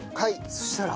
そしたら？